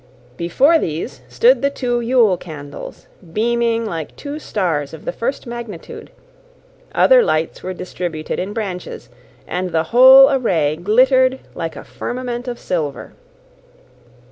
Before these stood the two Yule candles, beaming like two stars of the first magnitude: other lights were distributed in branches, and the whole array glittered like a firmament of silver.